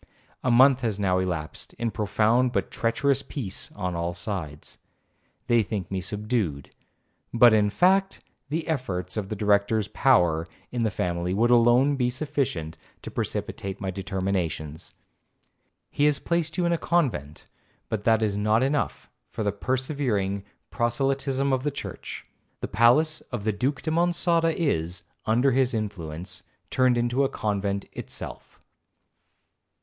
A month has now elapsed in profound but treacherous peace on all sides. They think me subdued, but 'In fact, the efforts of the Director's power in the family would alone be sufficient to precipitate my determinations. He has placed you in a convent, but that is not enough for the persevering proselytism of the church. The palace of the Duke de Monçada is, under his influence, turned into a convent itself.